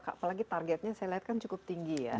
apalagi targetnya saya lihat kan cukup tinggi ya